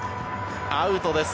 アウトです。